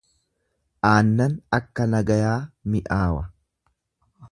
Aannan akka nagayaa mi'aawa.